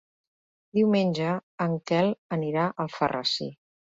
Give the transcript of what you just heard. Diumenge en Quel anirà a Alfarrasí.